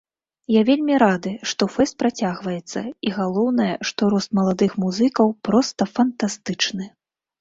Я вельмі рады, што фэст працягваецца, і, галоўнае, што рост маладых музыкаў проста фантастычны!